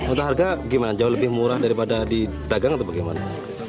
untuk harga gimana jauh lebih murah daripada di dagang atau bagaimana